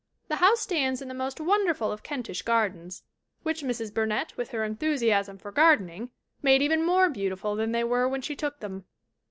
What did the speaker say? The house stands in the most wonderful of Kentish gardens, which Mrs. Bur nett, with her enthusiasm for gardening, made even more beautiful than they were when she took them.